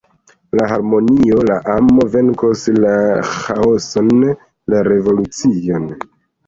La harmonio, la amo venkos la ĥaoson, la revolucion.